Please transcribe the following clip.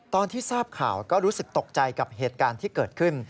ตอนที่ทราบข่าวก็รู้สึกตกใจกับเหตุการณ์ที่เกิดขึ้น